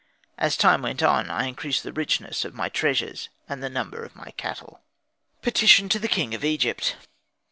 As time went on I increased the richness of my treasures and the number of my cattle. _Petition to the king of Egypt.